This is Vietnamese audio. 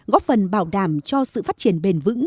góp phần bảo đảm cho sự phát triển bền vững